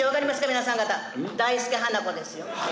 皆さん方大助・花子ですよ。